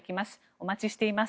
お待ちしています。